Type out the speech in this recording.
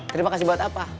terima kasih buat apa